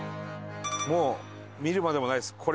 もう見るまでもないです。